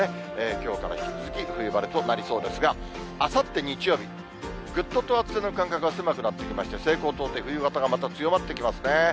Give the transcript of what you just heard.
きょうから引き続き冬晴れとなりそうですが、あさって日曜日、ぐっと等圧線の間隔が狭くなってきまして、西高東低、冬型がまた強まってきますね。